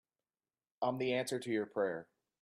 I'm the answer to your prayer.